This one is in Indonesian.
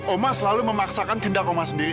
oma selalu memaksakan tindak oma sendiri